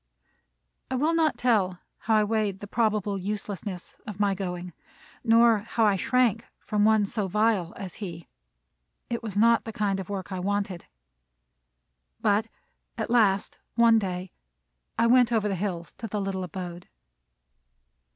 I will not tell how I weighed the probable uselessness of my going, nor how I shrank from one so vile as he. It was not the kind of work I wanted. But at last one day I went over the hills to the little abode.